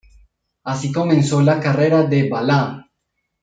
Así comenzó la carrera de Balá.